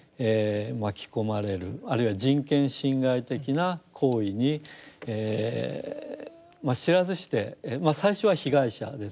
あるいは人権侵害的な行為に知らずして最初は被害者ですよね。